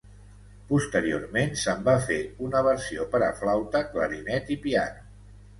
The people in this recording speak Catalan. Posteriorment se’n va fer una versió per a flauta, clarinet i piano.